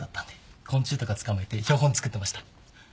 昆虫とか捕まえて標本作ってました。